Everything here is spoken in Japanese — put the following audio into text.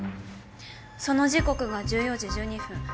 その時刻が１４時１２分。